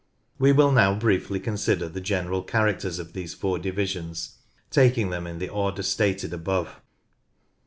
We will now briefly consider the general characters of these four divisions, taking them in the order stated above.